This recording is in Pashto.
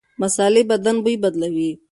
مصالحې بدن بوی بدلوي.